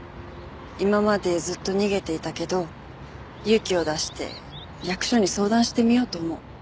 今までずっと逃げていたけど勇気を出して役所に相談してみようと思う。